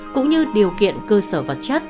cũng như điều kiện cơ sở vật chất